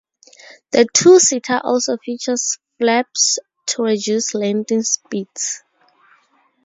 The two-seater also features flaps to reduce landing speeds.